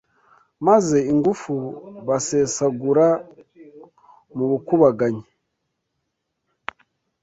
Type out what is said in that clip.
maze ingufu basesaguraga mu bukubaganyi